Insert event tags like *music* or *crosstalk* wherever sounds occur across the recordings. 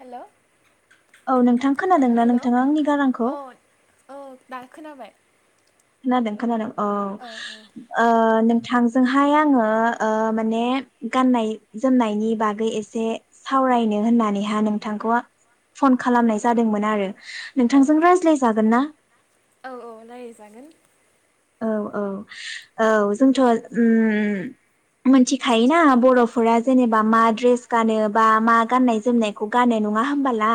हेल' औ नोंथां खोनादोंना हेल' नोंथाङा आंनि गारांखौ? औ औ दा खोनाबाय खोनादों खोनादों। औ ओ नों नोंथांजोंहाय आङो ओ माने गाननाय जोमनायनि बागै एसे सावरायनो होननानैहा नोंथांखौ फन खालामनाय जादोंमोन आरो। औ नोंथांजों रायज्लाय जागोन ना औ औ रायलायजागोन। औ औ औ जोंथ' उम मोनथिखायोना बर'फोरा जेनेबा मा ड्रेस गानो बा मा गाननाय जोमनायखौ गानो नङा होमबोला?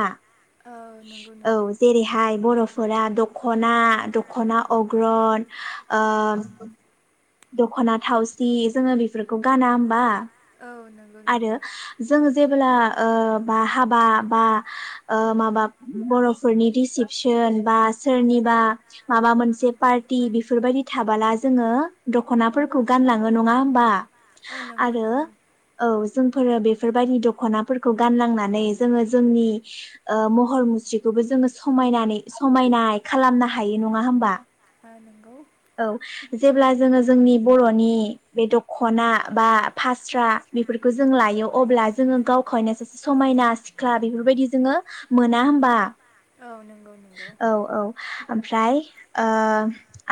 औ नंगौ औ नंगौ जेरैहाय बर'फ फोरा दख'ना दख'ना अग्रन ओ दख'ना थावसि जोङो बेफोरखौ गाना होमबा? औ नंगौ आरो नंगौ जों जे जेब्ला ओ बा हाबा बा ओ माबा बर'फोरनि रिसिपसन बा सोरनिबा माबा मोनसे पार्टि बेफोरबायदि थाबाला जोङो दख'नाफोरखौ गानलाङो नङा होमबा? औ नंगौ आरो नंगौ औ जोंफोरो बेफोरबायदि दख'नाफोरखौ गानलांनानै जोङो जोंनि ओ महर मुस्रिखौबो जोङो समायनानै समायनाय खालामनो हायो नङा होमबा? ओ नोंगौ औ जेब्ला जोङो जोंनि बर'नि बे दख'ना बा फास्रा बेफोरखौ जों लायो अब्ला जोङो गावखौनो सासे समायना सिख्ला बेफोरबायदि जोङो मोना होमबा? औ नंगौ नंगौ। औ ओमफ्राय ओ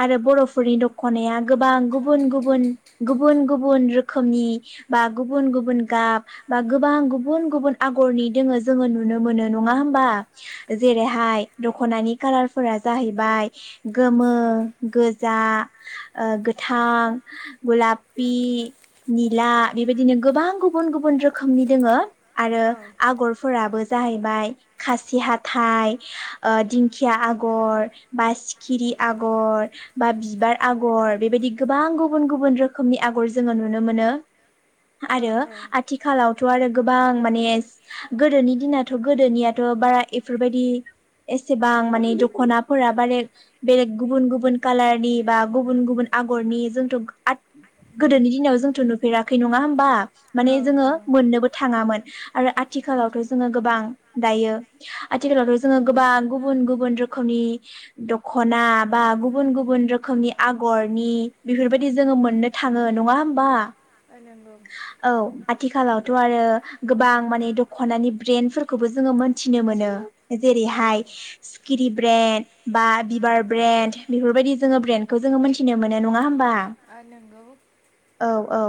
आरो बर'फोरनि दख'नाया गोबां गुबुन गुबुन गुबुन गुबुन रोखोमनि बा गुबुन गुबुन गाब बा गोबां गुबुन गुबुन आगरनि दोङो जोङो नुनो मोनो नङा होमबा जेरैहाय दख'नानि कालारफोरा जाहैबाय गोमो, गोजा ओ गोथां, गुलापि, निला इबायदिनो गोबां गुबुन गुबुन रोखोमनि दोङो। आरो आगरफोराबो जाहैबाय खासि हाथाइ दिंखिया आगर बा सिखिरि आगर बा बिबार आग गर बेबायदि गोबां गुबुन गुबुन रोखोमनि आगर जोङो नुनो मोनो। औ आरो आथिखालावबो आथिखालाव थ' गोबां माने गोदोनि दिनाथ' गोदोनियाथ' बारा इफोरबायदि एसेबां माने दखनाफोरा बारेग बेरेग गुबुन गुबुन कालारनि बा गुबुन गुबुन आगरनि जोंथ' गो आथ गोदोनि दिनाव जोंथ' नुफेराखै नङा होमबा? माने जोङो मोननोबो थाङामोन। आरो आथिखालावथ' जोङो गोबां दायो आथिखालावथ' जोङो गोबां गुबुन गुबुन रोखोमनि दखना बा गुबुन गुबुन रोखोमनि आगरनि बेफोरबायदि जोङो मोननो थाङो नङा होमबा? ओ नोंगौ। औ आथिखालावथ' आरो गोबां माने दख'नानि ब्रेन्डफोरखौबो जोङो मोनथिनो मोनो। औ ओ जेरैहाय किरि ब्रेन्ड बा बिबार ब्रेन्ड बेफोरबायदि जोङो ब्रेन्ड खौ जोङो मोनथिनो मोन नङा होम आं नंगौ। औ औ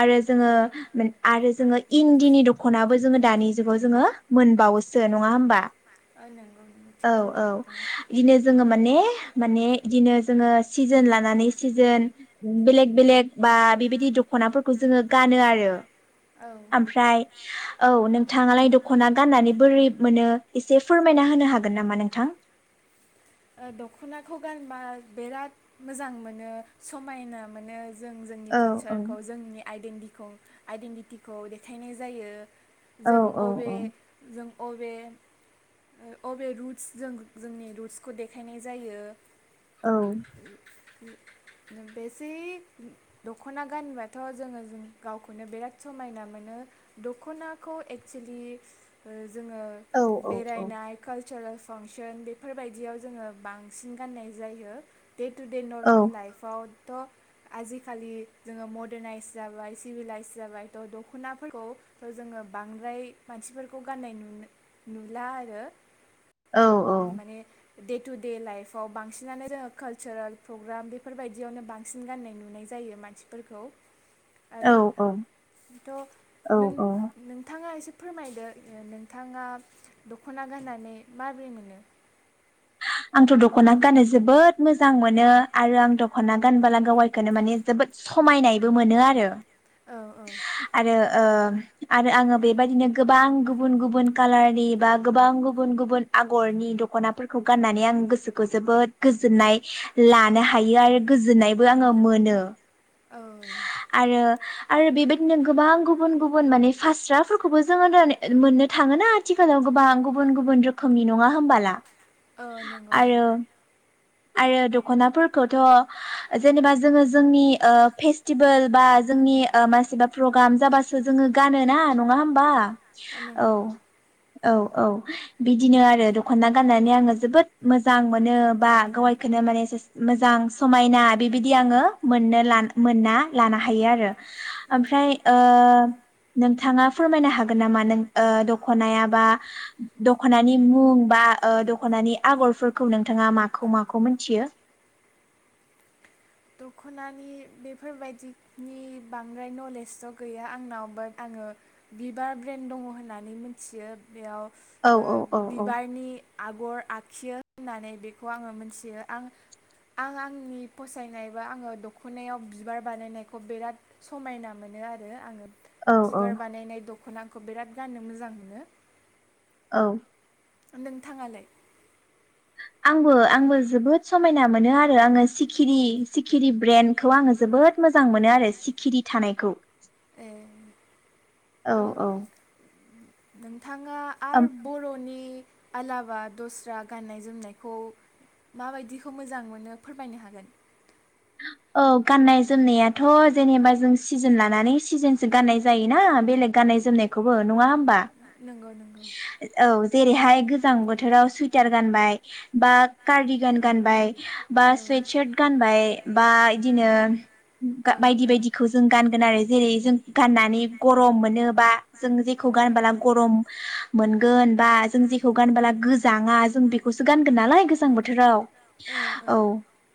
आरो जोङो आरो जोङो इन्दिनि दख'नाबो जोङो दानि जुगाव जोङो मोनबावोसो नङा होमबा? ओ नंगौ नों औ थिग बुंदों औ नोंथाङा बिदिनो जोङो माने माने बिदिनो जोङो सिजोन लानानै सिजोन बेलेग बेलेग बा बेबायदि दखनाफोरखौ जोङो गानो आरो। औ ओ ओमफ्राय औ नोंथाङालाय दख'ना गाननानै बोरै मोनो एसे फोरमायना होनो हागोन नामा नोंथां? दख'नाखौ गानबा बिराद मोजां मोनो समायना मोनो। जों जोंनि औ औ कालचारखौ जोंनि आइडेन्टिखौ आइडेन्टिटिखौ देखायनाय जायो। औ जों औ बबे औ जों बबे ओ अबे रुटस जों जोंनि रुस खौ देखायनाय जायो। औ बेसै दख'ना गानबाथ' जोङो गावखौनो बिराद समायना मोनो दख'नाखौ एक्सुलि जोङो औ औ बेरायनाय कालार थारा फांसन बेफोरबायदि बिदियाव जोङो बांसिन गाननाय जायो। दे टु दे औ नर्मेल लाइफआव थ' आजिखालि जोङो मदारनायइस जाबाय सिभिलाइस जाबाय थ' दख'नाफोरखौ जोङो बांद्राय मानसिफोरखौ गाननाय नुला आरो। औ औ माने दे टु दे लाइफआव बांसिनानो जोङो कालसारेल प्रग्राम बेफोरबायदियावनो बांसिन गाननाय नुनाय जायो मानसिफोरखौ आरो औ औ थ' नों औ नोंथाङा एसे फोरमायदो ओ नोंथाङा दख'ना गाननानै माबोरै मोनो। आंथ' दख'ना गाननो जोबोद मोजां मोनो आरो आं दख'ना गानबोला गावाइखौनो माने जोबोद समायनायबो मोनो आरो औ औ आरो ओ आरो आङो बेबायदिनो गोबां गुबुन गुबुन कालारनि बा गोबां गुबुन गुबुन आगरनि दख'ना खौ गाननानै आं गोसोखौ जोबोद गोजोननाय लानो हायो आरो गोजोननायबो आङो मोनो। औ आरो आरो बेबायदिनो गोबां गुबुन गुबुन माने फास्राफोरखौबो जोङो मोननो थाङोना आथिखालाव गोबां गुबुन गुबुन रोखोमनि नङा होमबाला औ नंगौ नंगौ आरो आरो दख'नाफोरखौथ' जेनेबा जोङो जोंनि फेस्टिबोल बा जोंनि ओ मासिबा प्रग्राम जाबासो जोङो गानोना नङा होमबा ओ औ नोंगौ औ औ बिदिनो आरो दखना गाननानै आङो जोबोद मोजां मोनो बा गावायखौनो माने मोजां समायना बेबायदि आङो मोननो लानो मोनना लानो हायो आरो औ ओमफ्राय ओ नोंथाङा फोरमायनो हागोन नामा नों ओ दखनाया बा दखनानि मुं बा ओ दखनानि आगरफोरखौ नोंथाङा माखौ माखौ मिथियो दखनानि बेफोरबायदिनि बांद्राय नलेजथ गैया आंनाव बाट आङो बिबार ब्रेन्द दङ होननानै मिथियो बेयाव औ ओ औ औ बिबारनि आगर आग खियो होननानै बेखौ आङो मिथियो आं आं आंनि फसायनाय बा आङो दखनायाव बिबार बानायनायखौ बिराद समायना मोनो आरो आङो औ औ बिबार बानायनाय द दखनाखौ बिराद गाननो मोजां मोनो औ नोंथाङालाय आंबो आंबो जोबोद समायना मोनो आरो आङो सिखिरि सिखिरि ब्रेन्डखौ आङो जोबोद मोजां मोनो आरो सिखिरि थानायखौ ए औ औ *inaudible* बिथाङा आरो ओम बरनि आलाबा दस्रा गाननाय जोमनायखौ माबायदिखौ मोजां मोनो फोरमायनो हागोन औ गाननाय जोमनायाथ जेनेबा जों सिजोन लानानै सिजोनसो गाननाय जायोना बेलेग गाननाय जोमनायखौबो नङा होमबा नंगौ नंगौ औ ओं जेरैहाय गोजां बोथोराव सुइटार गानबाय बा कार्दि गान गानबाय बा सुवइतसार्त गानबाय बा इदिनो गा बायदि बायदिखौ जों गानगोन आरो। जेरै जों गाननानै गरम मोनोबा जों जेखौ गानबोला गरम मोनगोन बा जों जेखौ गानबोला गोजाङा जों बेखौसो गानगोन नालाय गोजां बोथोराव। ओं ओ औ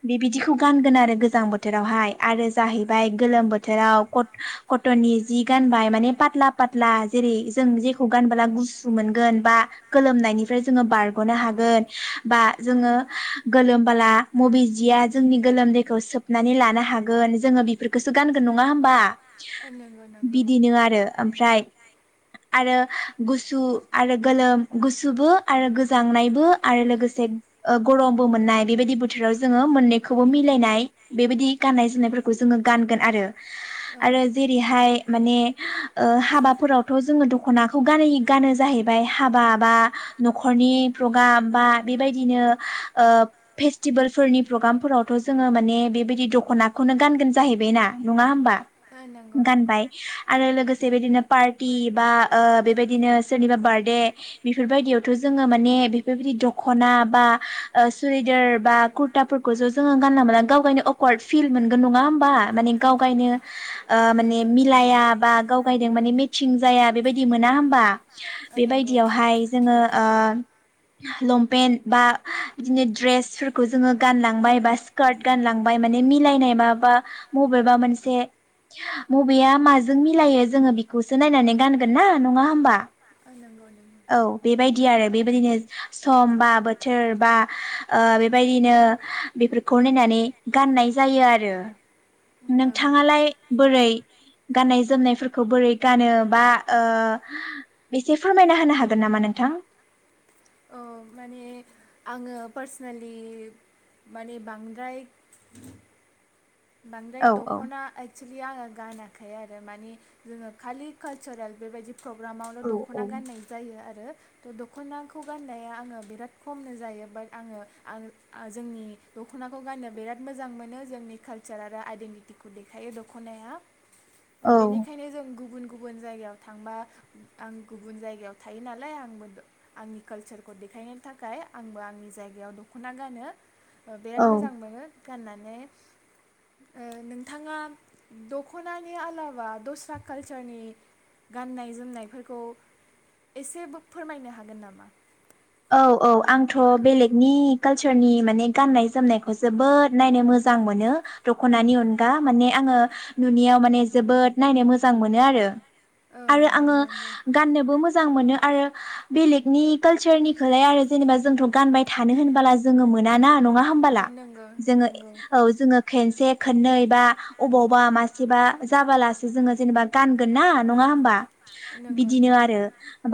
बे बिदिखौ खौ गानगोन आरो गोजां बोथोरावहाय आरो जाहैबाय गोलोम बोथोराव कट कटननि जि गानबाय माने पात्ला पात्ला जेरै जों जेखौ गानबोला गुसु मोनगोन बा गोलोमनायनिफ्राय जोङो बारगनो हागोन बा जोङो गोलोमबोला मबे जिया जोंनि गोलोमदैखौ सोबनानै लानो हागोन जोङो बेफोरखौसो गानगोन नङा होमबा? ओ नंगौ नंगौ बिदिनो आरो ओमफ्रा ओमफ्राय आरो गुसु आरो गोलोम गुसुबो आरो गोजांनायबो आरो लोगोसे ओ गरमबो मोननाय बेबायदि बोथोराव जोङो मोननैखौबो मिलायनाय बेबायदि गाननाय जोमनायफोरखौ जोङो गानगोन आरो औ आरो जेरैहाय माने ओ हाबाफोरावथ' जोङो दखनाख खौ गानै गानो जाहैबाय हाबा बा नखरनि प्रग्राम बा बेबायदिनो ओ फेस्टिबोलफोरनि प्रग्रामफोरावथ' जोङो माने बेबायदि दखनाखौनो गानगोन जाहैबाय ना नङा होमबा? जाहैबाय ना नङा होमबा ओ नंगौ नंगौ गानबाय आरो लोगो से बेबायदिनो पार्टि बा ओ बेबायदिनो सोरनिबा बार्थडे बेफोरबायदियावथ' जोङो माने बेफोरबायदि दखना बा ओ सुरिदार बा कुरताफोरखौसो जोङो गानला मोनला गाव गायनो अकवार्ड फिल मोनगोन नङा होमबा माने गाव गायनो ओ माने मिलाया बा गाव गाय माने मेतसिं जाया बेबायदि दि मोना होमबा? होमबा ओ नंगौ बेबायदियावहाय जोङो ओ लंपेन्ट बा बिदिनो द्रेसफोरखौ जोङो गानलांबाय बा स्कार्ट गानलांबाय माने मिलायनाय मा बा मबेबा मोनसे मबेया माजों मिलायो जोङो बेखौसो नायनानै गान गोन ना नङा होमबा? ओ नंगौ नंगौ औ बेबायदि दि आरो बेबायदिनो सम बा बोथोर बा ओ बेबायदिनो बेफोरखौ नायनानै गाननाय जायो आरो। औ नोंथाङालाय बोरै? गाननाय जोमनायफोरखौ बोरै गानो बा ओ एसे फोरमायना होनो हागोन नामा नोंथां? ओ माने आङो पार्सनेलि माने बांद्राय बांद्राय औ औ दखना एक्सुलि आङो गान खाया आरो मानि जोङो खालि कालचारेल बेबायदि प्रग्रामावल' औ औ दखना गाननाय जायो आरो। थ' दखनाखौ गाननाया आङो बिराद खमनो जायो बाट आङो आं आ जोंनि दखनाखौ गाननो बिराद मोजां मोनो जोंनि काल सार आरो आइडेन्टिटिखौ देखायो दखनाया। ओ औ बेनिखायनो जों गुबुन गुबुन जायगायाव थांबा आं गुबुन जायगायाव थायो नालाय आंबो आंनि कालसारखौ देखायनो थाखाय आंबो आंनि जायगायाव दखना गानो। ओ बिराद औ मोजां मोनो गाननानै। ओ नोंथाङा दखनानि आलाबा दस्रा कालचारनि गाननाय जोमनायफोरखौ एसेबो फोरमायनो हागोन नामा? औ औ आंथ बेलेगनि कालसारनि माने गाननाय जोमनायखौ जोबोद नायनो मोजां मोनो। दखनानि अनगा माने आंङो नुनायाव माने जोबोद नायनो मोजां मोनो आरो। औ आरो आंङो नंगौ नंगौ गाननोबो मोजां मोनो आरो बेलेगनि कालचारनि खोलाय आरो जेनेबा जोंथ गानबाय थानो होनबोला जोंङो मोनाना। नङा ओ होमबाला नंगौ जोंङो नंगौ। औ जोंङो खनसे खननै बा अबावबा मासेबा जाबालासो जोङो जेनेबा गानगोन ना नङा होमबा? नंगौ बिदिनो नंगौ। आरो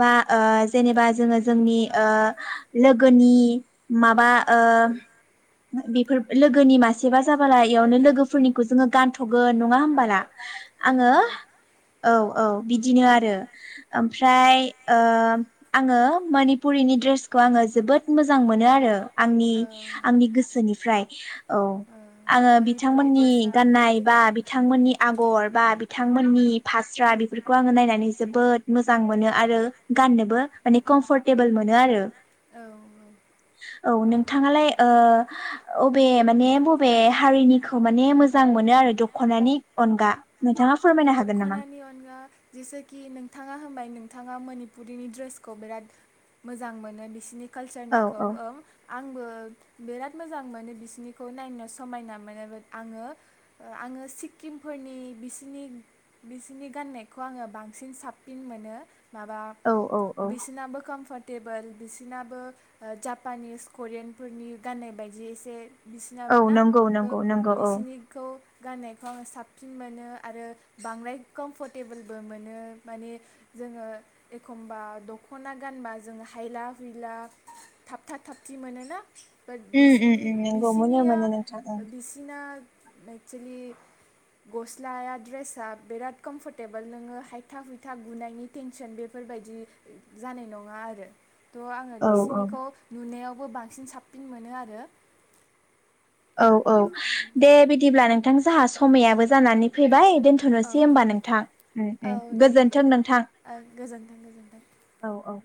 बा ओ जेनेबा जोङो जोंनि लोगोनि माबा ओ बेफोर लोगोनि मासेबा जाबोला इयावनो लोगोफोरनिखौ जोङो गानथगोन नङा होमबाला? ओ आंङो नंगौ औ औ बिदिनो आरो ओमफ्राय आंङो मानि पुरिनि दड्रेसखौ आंङो जोबोद मोजां मोनो आरो आंनि ओ आंनि गोसोनिफ्राय औ ओ आंङो मनिपुरि बिथांमोननि ड्रेसा गाननाय बा बिथांमोननि आगर बा बिथांमोननि फास्रा बेफोरखौ आंङो नायनानै जोबोद मोजां मोनो आरो गाननोबो माने कमफर्ट टेबोल मोनो आरो औ औ औ नोंथाङालाय ओ अबे माने बबे हारिनिखौ माने मोजां मोनो आरो दखनानि अनगा नोंथाङा फोरमायनो हागोन नामा? दखनानि अनगा जेसेखि नोंथाङा हबाय नों नोंथाङा मनिपुरिनि ड्रेसखौ बिराद मोजां मोनो बिसिनि औ कालचारनिखौ औ आंबो बिराद मोजां मोनो बिसिरनिखौ नायनो समायना मोनो आंङो आंङो सिक्किमफोरनि बिसिनि बिसनि गाननायखौ आंङो बांसिन साबसिन मोनो माबा औ औ औ बिसोनाबो कमफर्ट टेबोल बिसनाबो जापानिस करियानफोरनि गाननाय बायदि एसे औ बिसिनाबो ना नंगौ नंगौ नंगौ औ बिसिनिखौ गाननायखौ आंङो साबसिन मोनो आरो बांद्राय कमफर्टेबोलबो मोनो माने जोंङो एखमबा दखना गानबा जों हायला हुइला थाब थाब थाबथि मोनोना बाट उम उम बिसिनि उम नंगौ मोनो बिसिनिया मोनो नोंथां बिसिना एक्सवलि गस्लाया ड्रेस फसा बिराद कमफरटेबोल नोंङो हायथा हुइथा गुनायनि टेनसन बेफोरबायदि जानाय नङा आरो ह आङो ओं औ बिसिनिखौ नुनायाव खौबो बांसिन साबसिन मोनो आरो औ औ दे बिदिब्ला नों नोंथां जोंहा समाययाबो जानानै फैबाय औ दोनथनोसै होमबा नोंथां ओम औ ओम दे गोजोनथों नोंथां ओ गोजोन्थों गोजोन्थों औ औ